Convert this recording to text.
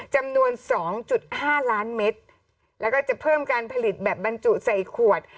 จำนวน๒๕ล้านเมตรแล้วก็จะเพิ่มการผลิตแบบบรรจุใส่ขวด